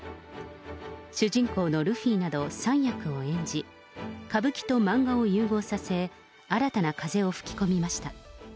主人公のルフィなど３役を演じ、歌舞伎と漫画を融合させ、新たな風を吹き込みました。